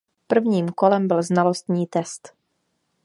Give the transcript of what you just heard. Prvním kolem byl znalostní test.